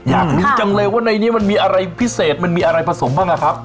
อยากรู้จังเลยว่าในนี้มันมีอะไรพิเศษมันมีอะไรผสมบ้างอะครับ